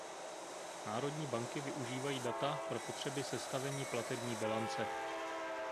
Národní banky využívají data pro potřeby sestavení platební bilance.